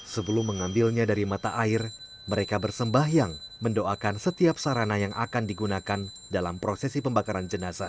sebelum mengambilnya dari mata air mereka bersembahyang mendoakan setiap sarana yang akan digunakan dalam prosesi pembakaran jenazah